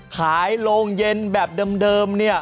โรงเย็นแบบเดิมเนี่ย